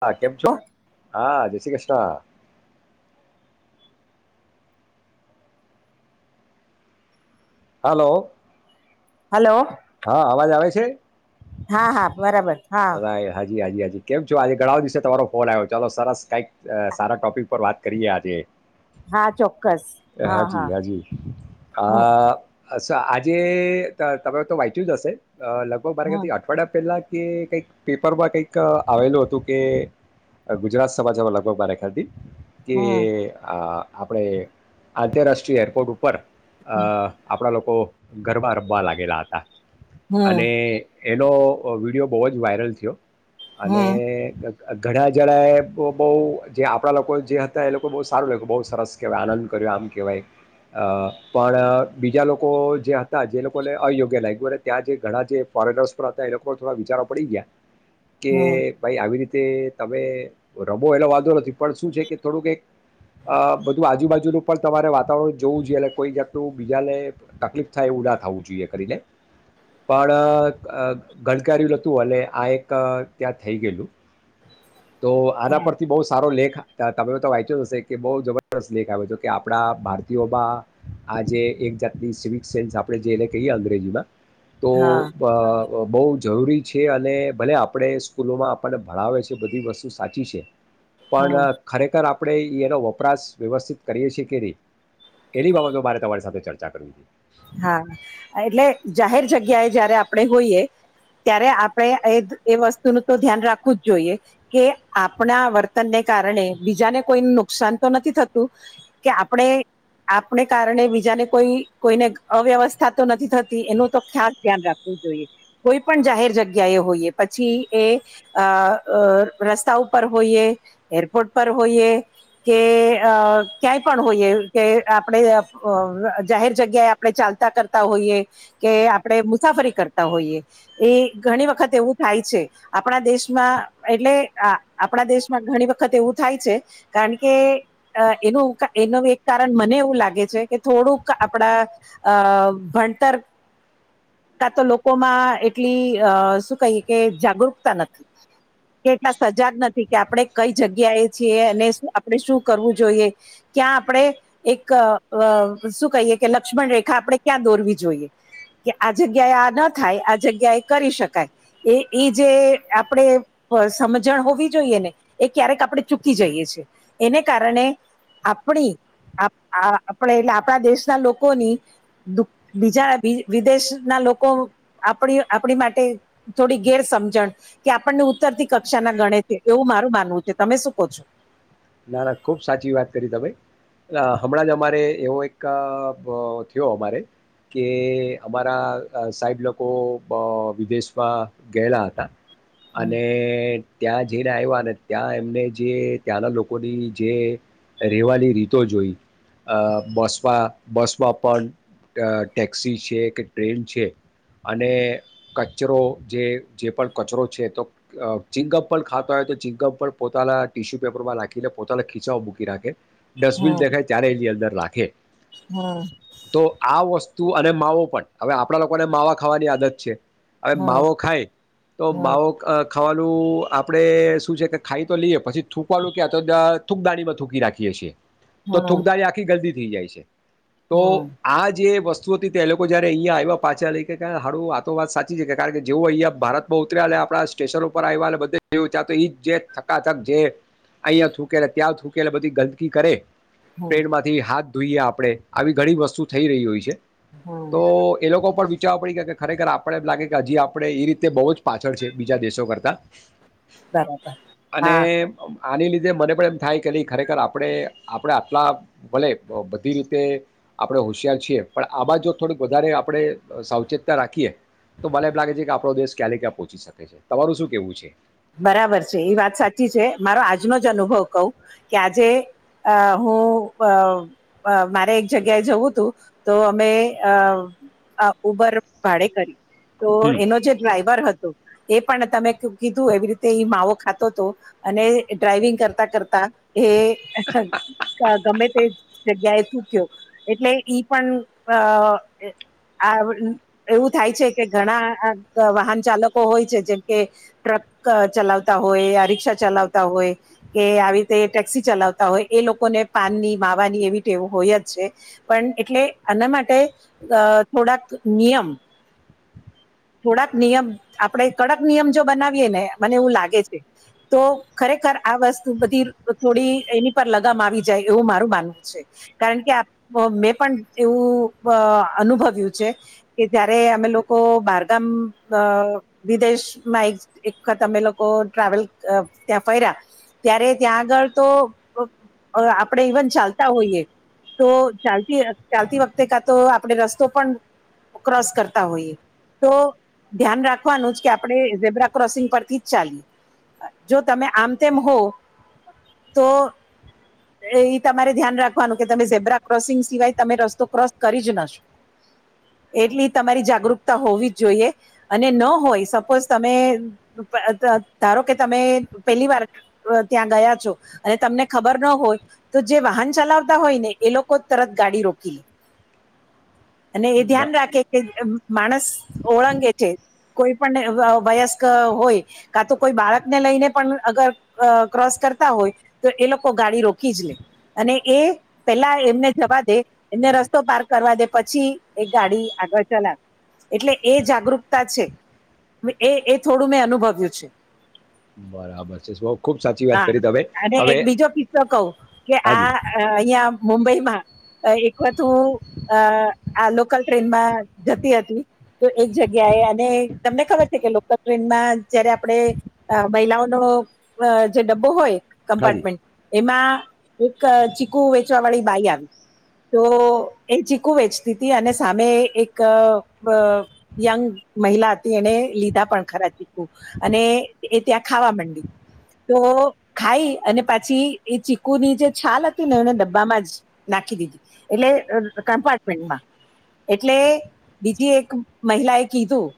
હા કેમ છો હા શ્રી કૃષ્ણ હલો હલો હા અવાજ આવે છે હા હા બરાબર હા રા હા જી હાજી હાજી કેમ છો આજે ઘણા દિવસે તમારો ફોન આવ્યો ચાલો સરસ કઈક સારા ટોપિક પર વાત કરીએ આજે હા ચોક્કસ હા હાજી હા હાજી હમ આ અ આજે તમે તો વાંચ્યું જ હશે અ લગભગ હમ બરાથી અઠવાડિયા પેલા કે ક પેપરમાં કઈક આવેલું હતું કે ગુજરાત સમાજમાં લગભગ મારે ખથી તે હમ આ આપડે આંતરરાષ્ટ્રીય એરપોર્ટ ઉપર અહ આપણા લોકો ગરબા રમવા લાગેલા હતા. હમ અને એનો વિડીયો બહુ જ વાયરલ થયો. અને ઘણા જણાએ બહુ જે આપણા લોકો જે હતા એ લોકો બહુ સારું લાગ્યું બહુ સરસ કહેવાય આનંદ કર્યો આમ કહેવાય, પણ બીજા લોકો જે હતા જે લોકોને અયોગ્ય લાગ્યું અને ત્યાં જે ઘણા જે ફોરેનર્સ પર હતા એ લોકો થોડા વિચારો પડી ગયા. કે હમ ભાઈ આવી રીતે તે તમે રમો એલો વાંધો નથી પણ શું છે કે થોડું કઈક બધું આજુબાજુનું પણ તમારે વાતાવરણ જોવું જોઈએ એટ કોઈ જાક્તું બીજાને તકલીફ થાય એવું ના થવું જોઈએ કરીને, પણ ગણકાર્યું તું હલે આ એક ત્યાં થઈ ગયેલું તો આના હમ પરથી બહુ સારો લેખ તમે તો વાંચ્યો હશે કે બહ જબરદસ્ત લેખ આવે છે કે આપડા ભારતીયોમાં આ જે એક જાતની સિવિક સેન્સ આપણે જેલે કહીએ અંગ્રેજીમાં. હા તોહ બહુ જરૂરી છે અને ભલે આપણે સ્કૂલોમાં આપણને ભણાવે છે. જે બધી વસ્તુ સાચી છે. પણ હમ ખરેખર આપ આપણે એ એનો વપરાશ વ્યવસ્થિત કરીએ છીએ કે નહીં, એની બાબતે મારે તમારી સાથે ચર્ચા કરવી છે. હા એટલે જાહેર જગ્યાએ જયારે આપણે હોઈએ, ત્યારે આપણે એ વસ્તુનું તો ધ્યાન રાખવું જ જોઈએ, કે આપણા વર્તનને કારણે બીજાને કોઈ નુકસાન તો નથી થતું, કે આપણે આપને કારણે બીજાને કોઈ- કોઈને અવ્યવસ્થા તો નથી થતી એનું તો ખાસ ધ્યાન રાખવું જોઈએ, કોઈ પણ જાહેર જગ્યા એ હોઈએ પછી એ, રસ્તા ઉપર હોઈએ એરપોર્ટ પર હોઈએ, કે ક્યાંય પણ હોઈએ કે આપણે જાહેર જગ્યાએ આપણે ચાલતા કરતા હોઈએ, કે આપણે મુસાફરી કરતા હોઈએ, એ ઘણી વખત એવું થાય છે, આપણા દેશમાં એટલે આપણા દેશમાં ઘણી વખત એવું થાય છે, કારણ કે એનું એનું એક કારણ મને એવું લાગે છે કે થોડુંક આપણા અહ ભણતર, કા તો લોકોમાં એટલી અહ શું કહીએ કે જાગૃકતા નથી, કે એટલા સજાગ નથી કે આપણે કઈ જગ્યાએ છીએ, અને શું આપણે શું કરવું જોઈએ, ક્યાં આપણે એક અહ શું કહીએ કે લક્ષ્મણ રેખા આપણે ક્યાં દોરવી જોઈએ, કે આ જગ્યાએ આ ન થાય, આ જગ્યા એ કરી શકાય, એ ઈ જે આપણે સમજણ હોવી જોઈએ ને, એ ક્યારેક આપણે ચૂકી જઈએ છે, એને કારણે આપણી આ આપણે એટલે આપણા દેશના લોક કોની બીજા વિ વિદેશ ના લોકો આપણી-આપણી માટે થોડી ગેર સમજણ, કે આપણને ઉત્તર થી કક્ષાના ગણે છે, એવું મારું માનવું છે. તમે શું કહો છો? ના, ના ખુબ સાચી વાત કરી તમે. અહ હમણાં જ અમારે એવો એક અહ થયો અમારે, કે અમારા સાહેબ લોકો અહ વિદેશમાં ગયેલા હતા. અને ત્યાં જઈને આયવા ને, ત્યાં એમને જે ત્યાંના લોક કોની જે રહેવાની રીતો જોઈ, અહ બસમાં-બસમાં પણ, અહ ટેક્સી છે, કે ટ્રેન છે, અને કચરો જે-જે પણ કચરો છે, તો ચિંગમ્પ ખાતા હોય, તો ચિંગમ્પ પણ પોતાના ટિશ્યુ પેપરમાં નાખી લે પોતાના ખીચા માં મૂકી રાખે ડસ્ટબીન હમ દેખાય ત્યારે એની અંદર રાખે. હમ તો આ વસ્ તું, અને માવો પણ, હવે આપણા લોકોને માવા ખાવાની આદત છે. હવે માવો ખાય, તો હમ માવો ખ ખાવાનું આપડે શું છે કે ખાઈ તો લીએ, પછી થૂકવાનું કયાં, તો દ થૂંકદાનીમાં થૂંકી રાખીએ છીએ. તો હમ હમ થૂકદાની આખી ગંદી [unintelligible] જાય છે. તો હમ આ જે વસ્તુ એ લોકો જયારે [unintelligible] આવ્યા પાછા લઈ કે હારું આ તો વાત સાચી છે, કે કારણ કે જેવ અહંયા ભારતમાં ઉતર્યા આપણા સ્ટેશન ઉપર આવ બધ ચા તો એ થકા થક જે અહિયાં થૂકે ત્યાં થૂકેટલે બધી ગંદકી કરે. હમ ટ્રેન માંથી હાથ જોઈએ [unintelligible] આવી ઘણી વસ્તુ થઈ રહી હોય છે. હમ તો એ લોકો પર [unintelligible] કે ખરેખર આપણે એમ લાગે કે હજી આપડણે એ રીતે બહુ જ પાછળ છે બીજા દેશો કરતા. બરાબર હા આની લીધે મને પણ એમ થાય કે ન ખરેખર આપણે આપડણે આટલા ભલે બધી રીતે આપણેે હોશિયાર છીએ પણ આ બા જો થોડક વધારે આપડણે સાવચેતતા રાખીએ તો મને એમ લાગે છે કે આપડો દેશ [unintelligible] ક્યાં પોહોંચી શકે છે, તમારું શું કેવું છે. બરાબર છે, એ વાત સાચી છે, મારો આજનો જ અનુભવ કવ કે આજે હું મારે એક જગ્યાએ જવું તું તો અમે [unintelligible] ભાડે કરી તો હમ એનો જે ડ્રાઈવર હતો. એ પણ [unintelligible] એવી રીતે એ માવો ખાતો હતો અને ડ્રાઈવિંગ કરતા કરતા. એ ગમે તે જગ્યાએ. [unintelligible] એટલે ઈ પણ [unintelligible] આ [unintelligible] એવું થાય છે, કે ઘણા વાહન ચાલકો હોય છે, જેમકે ટ્રક ચલાવતા હોય આ રિક્ક્ષા ચલાવતા હોય કે આવી રીતે ટેક્સી ચલાવતા હોય એ લોકોને પાનની માવાની એવી ટેવ હોય જ છે, પણ એટલે આના માટે થોડાક [unintelligible] નિયમ થોડાક નિયમ આપણે કડક નિયમ જો બનાવી. મને એવું લાગે છે, તો ખરેખર આ વસ્તુ બધી થોડી એની પર લગામ આવી જાય એવું મારું માનવું છે, કારણ કે [unintelligible] પણ એવું અનુભવ્યું છે, કે જયારે અમે લોકો બારગામ વિદેશમાં એક [unintelligible] અમે લોકો ટ્રાવેલ ત્યાં ફર્યા ત્યારે ત્યાં આગળ તો આપણે ઇવન ચાલતા હોઈએ તો ચાલતી ચાલતી વખતે કા તો આપણે રસ્તો પણ ક્રોસ કરતા હોઈએ તો ધ્યાન રાખવાનું જ કે આપણે [unintelligible] [unintelligible] પરથી જ ચાલી જો તમે આમ તેમ હો તો એ તમારે ધ્યાન રાખવાનું કે તમે ઝેબ્રા ક્રોસિંગ સિવાય તમે રસ્તો ક્રોસ કરી જ [unintelligible] એટલી તમારી જાગૃતતા હોવી જ જોઈએ અને ન હોય સપોઝ તમે ધારો કે તમે પેલી વાર ત્યાં ગયા છો અને તમને ખબર ના હોય તો જે વાહન ચલાવતા હોય ને એ લોકો તરત ગાડી રોકી લે અને એ બ ધ્યાન રાખે. કે માણસ ઓળંગે છે, કોઈ પણ [inaudible] હોય કા તો કોઈ બાળકને લઈને પણ અગર ક્રોસ કરતા હોય તો એ લોકો ગાડી રોકી જ લે અને એ પેલા એમને જવા દે એમને રસ્તો પારક કરવા દે પછી એ ગાડી આગળ ચલાવે એટલે એ [unintelligible] છે, એ થોડું મેં અનુભવ્યું છે. બરાબર છે, બ ખુબ સાચી વાત હા કરી તમે અને હવે એક બીજો કિસ્સો કહું કે આ અ, [unintelligible] અહીંયા મુંબઈમાં એક વત હું આ લોકલ ટ્રેનમાં જતી હતી તો એક જગ્યાએ અને તમને ખબર છે, કે ટ્રેનમાં જયારે [unintelligible] મહિલાઓનો જે ડબ્બો હોય. હાજી [unintelligible] એમાં એક ચીકુ વેચવા વાળી બાઈ આવી તો એ ચીકુ વેચતી હતી અને સામે એક યંગ મહિલા હતી એને લી ખરા ચીકુ અને એ ત્યાં ખાવા માંડી તો ખાઈ અને પછી [unintelligible] એ ચીકુ ની જે છાલ હતી ને એને ડબ્બામાં જ નાખી દીધી એટલે કમ્પાર્ટમેન્ટમાં એટલે બીજી એક મહિલાએ કીધું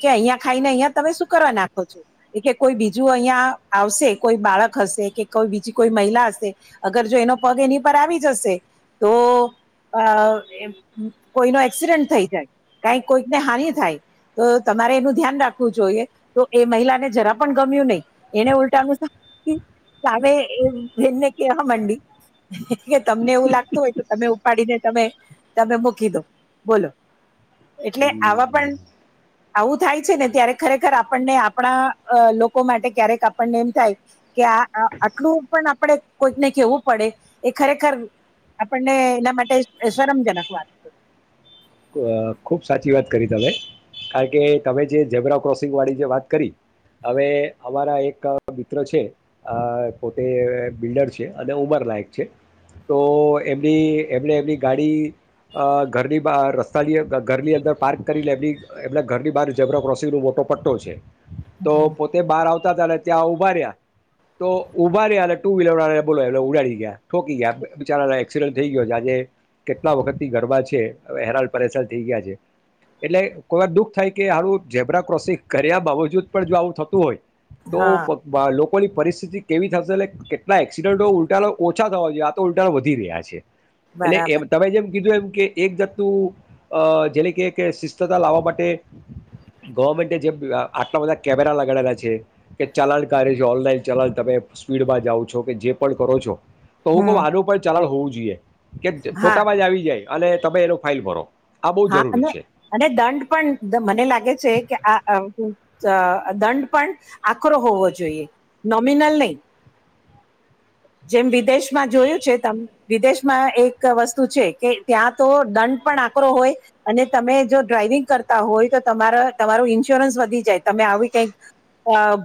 કે [unintelligible] ખાઈને [unintelligible] તમે શું કરવા નાખો છો એ કે કોઈ બીજું [unintelligible] આવશે કોઈ બાળક હશે કે કોઈ બીજી કોઈ મહિલા હશે અગર જો એનો પગ એની પર આવી જશે તો અ કોઈનો એક્સિડન્ટ થઈ જાય કઈ કોઈકને હાનિ થાય તો તમારે એનું ધ્યાન રાખવું જોઈએ તો એ મહિલાને જરા પણ ગમ્યું નહી એને ઉલટાનું સામેનને કેવા મંડી કે તમને એવું લાગતું હોય તો તમે ઉપાડીને તમે તમે મૂકી દો બોલો એટલે આવા હમ, પણ આવું થાય છે, ને ત્યારે ખરેખર આપણને આપણા લોકો માટે ક્યારેક આપણને એમ થાય કે આ આટલું પણ આપણે કોઈકને કેવું પડે એ ખરેખર આપણને એના માટે શરમજનક વાત છે. ખુબ સાચી વાત કરી તમે કારણ કે તમે જે ઝબરા ક્રોસિંગ વાળી જે વાત કરી હવે અમારા એક મિત્ર છે, પોતે બિલ્ડર છે અને ઉમર લયક છે તો એમની એમને એમની ગાડી ઘરની બ [unintelligible] ઘરની અંદર પાર્ક કરીને એ એમના ઘરની [unintelligible] ક્રોસિંગ નો મોટો પટ્ટો છે. તો પોતે બહાર આવ ત્યાં [unintelligible] તો [unintelligible] અને ટુ વ્હીલર બોલો [unintelligible] ઉડાડી ગયા ઠોકી ગયા બચારા એક્સિડન્ટ થઈ ગયો છે, આજે કેટલા વખત થી [unintelligible] છે, હેરા પરેશાન થઈ ગયા છે, એટલે કોઈ વાર દુઃખ થાય કે હારું ઝેબ્ર ક્રોસિંગ કર્યા બાબજુદ પણ જો આવું થતું હોય. તો હા [unintelligible] લોક કો ની પરિસ્થિતિ કેવી થશે, અને કેટલા એક્સિડન્ટો ઉલટા નો ઓછા થવા જોઈએ, આ તો ઉલટા નો વધી રહ્યા છે. એટલે બરાબર એમ તમે જેમ કીધું એમ કે એક જાતનું અ જેલે કે શિસ્તતા લાવવા માટે, ગવર્મેન્ટે જે આટલા બધા કેમેરા લગાડેલા છે, કે ચલાણકાર્ય છે ઓનલાઈન ચલાણ તમે સ્પીડમાં જાઓ છો કે જે પણ ભરો છો. તો હું કવ હમ. આનું પણ ચલણ હોવું જોઇએ. જોઈએ. કે હા ફોટામાં જ આવી જાય. અને તમે એનો ફાઇન ભરો. આ બહુ હા અને જરૂરી છે અને દંડ પણ મને લાગે છે કે આ અ દંડ પણ આકરો હોવો જોઈએ, નોમિનલ નહીં. જેમ વિદેશમાં જોયું છે તમ વિદેશમાં એક વસ્તુ છે કે ત્યાં તો દંડ પણ આકરો હોય, અને તમે જો ડ્રાઈવિંગ કરતા હોય તો તમારા તમારુ ઈન્સ્યોરન્સ વધી જાય તમે આવી કઈક,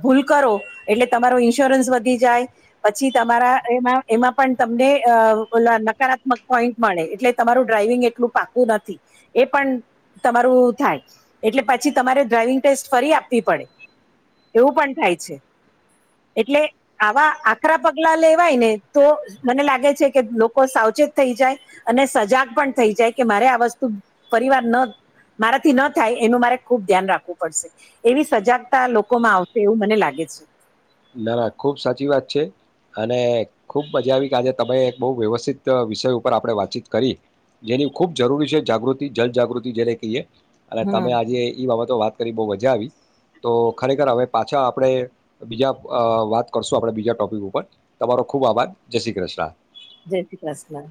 ભૂલ કરો એટલે તમારુ ઈન્સ્યોરન્સ વધી જાય પછી તમારા એ એમાં પણ તમને ઓલા નકારાત્મક પોઈન્ટ મળે એટલે તમારું ડ્રાઈવિંગ એટલું પાકું નથી, એ પણ તમારું થાય એટલે પછી તમારે ડ્રાઈવિંગ ટેસ્ટ ફરી આપવી પડે, એવું પણ થાય છે, એટલે આવા આકરા આકરા પગલા લેવાય ને તો મને લાગે છે કે લોકો સાવચેત થઈ જાય, અને સજાગ પણ થઈ જાય કે, મારે આ વસ્તુ પરિવાર ન મારાથી ન થાય એનું મારે ખુબ ધ્યાન રાખવું પડશે, એવી સજાગતા લોકોમાં આવશે એવું મને લાગે છે. ના ના ખુબ સાચી વાત છે. અને ખૂબ મજા આવી કે આજે તમે બો વ્યવસ્થિત વિષય ઉપર આપણે વાતચીત કરી, જેની ખૂબ જરૂરી છે જાગૃતિ, જલજાગૃતિ જેને કહીએ. અને તમે હમ આજે ઈ બાબત તો વાત કરી બો મજા આવી, તો ખરેખર હવે પાછા આપણે બીજા અ વાત કરશું આપડે બીજા ટોપિક ઉપર, તમારો ખુબ આભાર, જય શ્રી કૃષ્ણ. જય શ્રી કૃષ્ણ.